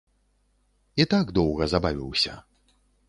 І так доўга забавіўся.